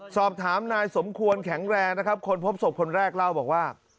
สอบถามนายสมควรแข็งแรงนะครับคนพบศพคนแรกเล่าบอกว่า